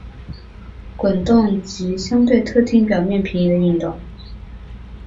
滚动及相对特定表面平移的的运动。